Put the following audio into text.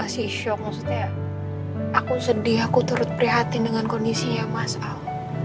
sisa maksudnya aku sedih aku turut prihatin dengan kondisinya masal